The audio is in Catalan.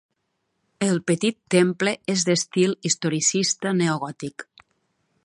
El petit temple és d'estil historicista neogòtic.